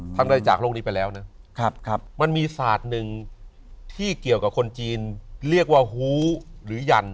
ทำได้จากโลกนี้ไปแล้วนะมันมีศาสตร์หนึ่งที่เกี่ยวกับคนจีนเรียกว่าฮูหรือยัน